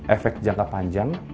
efek jangka panjang